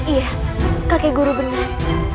iya kakek guru benar